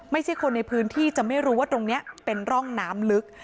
ไม่ใช่คนในพื้นที่จะไม่รู้ว่าตรงนี้เป็นร่องน้ำลึก